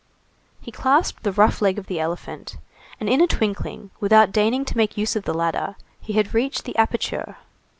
He clasped the rough leg of the elephant, and in a twinkling, without deigning to make use of the ladder, he had reached the aperture.